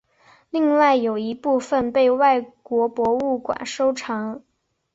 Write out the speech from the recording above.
另外有一部份被外国博物馆收藏。